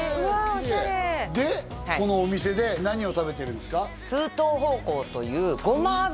オシャレでこのお店で何を食べてるんですか？